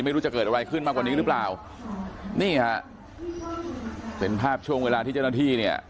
ไม่รู้จะเกิดอะไรขึ้นมากกว่านี้หรือเปล่านี่ฮะเป็นภาพช่วงเวลาที่เจ้าหน้าที่เนี่ย